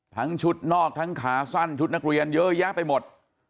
ทั้งชุดนอกทั้งขาสั้นชุดนักเรียนเยอะแยะไปหมด